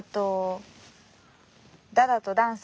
ダダとダンス。